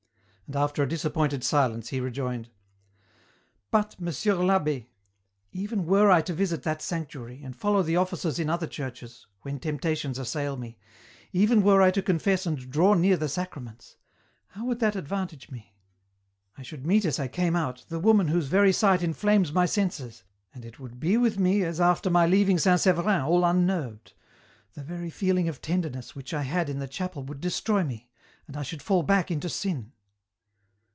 And after a disappointed silence he rejoined, " But, Monsieur I'Abb^, even were I to visit that sanctuary, and follow the offices in other churches, when temptations assail me, even were I to confess and draw near the Sacra ments, how would that advantage me ? I should meet as T came out the woman whose very sight inflames my senses, and it would be with me as after my leaving St. Severin all unnerved ; the very feeling of tenderness which I had in the chapel would destroy me, and I should fall back into sin."